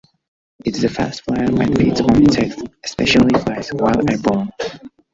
It is a fast flyer and feeds on insects, especially flies, while airborne.